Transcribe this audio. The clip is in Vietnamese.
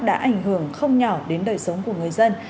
đã ảnh hưởng không nhỏ đến đời sống của người dân